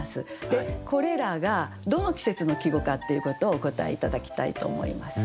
でこれらがどの季節の季語かっていうことをお答え頂きたいと思います。